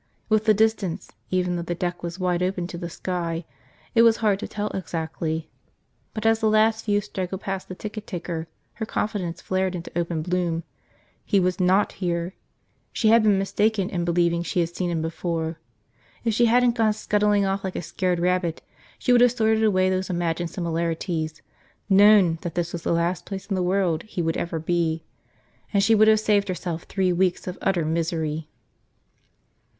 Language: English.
With the distance, even though the deck was wide open to the sky, it was hard to tell exactly. But as the last few strangled past the ticket taker her confidence flared into open bloom. He was not here! She had been mistaken in believing she had seem him before. If she hadn't gone scuttling off like a scared rabbit, she would have sorted away those imagined similarities, known that this was the last place in the world he would ever be. And she would have saved herself three weeks of utter misery.